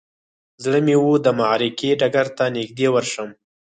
زړه مې و د معرکې ډګر ته نږدې ورشم.